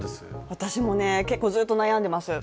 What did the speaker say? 私も結構、ずっと悩んでます